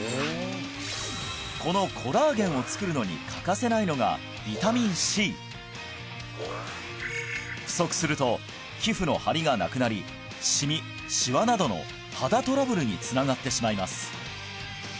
このコラーゲンを作るのに欠かせないのがビタミンＣ不足すると皮膚の張りがなくなりしみしわなどの肌トラブルにつながってしまいます